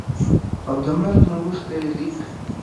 او دَمرګ نه وروستو ئې ليک